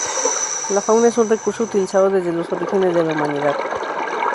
La fauna es un recurso utilizado desde los orígenes de la humanidad.